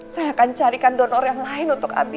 saya akan carikan donor yang lain untuk abi